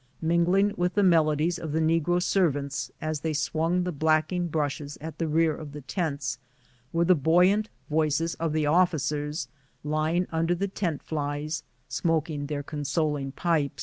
Mingling with the melodies of the negro serv ants, as they swung the blacking brushes at the rear of the tents, were the buoyant voices of the officers ly ing under the tent flies, smoking the consoling pipe.